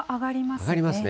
上がりますね。